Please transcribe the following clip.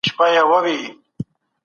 موږ وخت پېژنو.